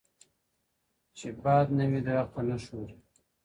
¬ چي باد نه وي، درخته نه ښوري.